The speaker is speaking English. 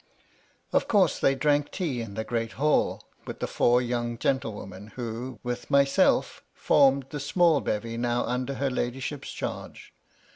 Of course, they drank tea in the great hall, with the four young gentlewomen, who, with myself, formed the small bevy now under her ladyship's charge.